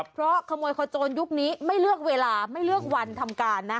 เพราะขโมยขโจรยุคนี้ไม่เลือกเวลาไม่เลือกวันทำการนะ